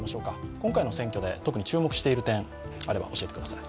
今回の選挙で特に注目している点あれば、教えてください。